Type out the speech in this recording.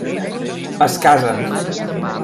Es casen.